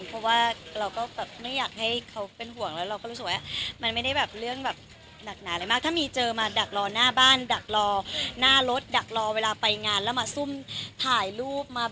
แต่ว่าของเรายังไม่ถึงขั้นนั้นจริงบ้านเข้ามากกว่า